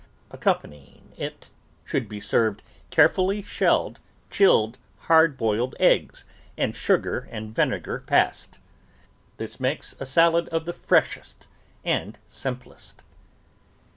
Accompanying it should be served, carefully shelled, chilled, hard boiled eggs, and sugar and vinegar passed. This makes a salad of the freshest and simplest.